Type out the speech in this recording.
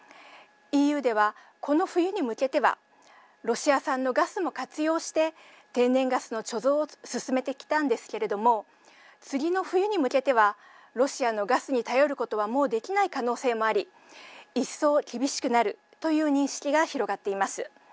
ＥＵでは、この冬に向けてはロシア産のガスも活用して天然ガスの貯蔵を進めてきたんですけれども次の冬に向けてはロシアのガスに頼ることはもうできない可能性もあり一層、厳しくなるという認識が広がっています。